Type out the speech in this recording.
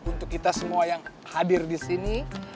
untuk kita semua yang hadir disini